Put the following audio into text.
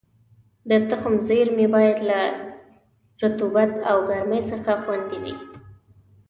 د تخم زېرمې باید له رطوبت او ګرمۍ څخه خوندي وي.